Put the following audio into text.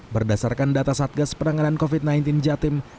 berdasarkan data satgas penanganan covid sembilan belas jatim